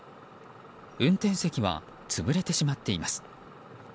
運転席は潰れてしまっています。